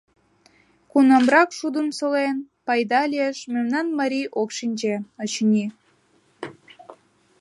Кунамрак шудым солен, пайда лиеш — мемнан марий ок шинче, очыни.